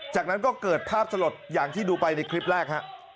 จากนั้นก็เกิดภาพสลดอย่างที่ดูไปในคลิปแรกฮะ